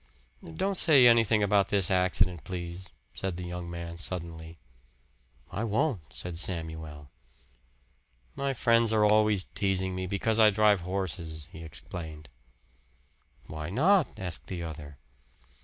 "Don't say anything about this accident, please," said the young man suddenly. "I won't," said Samuel. "My friends are always teasing me because I drive horses," he explained. "Why not?" asked the other.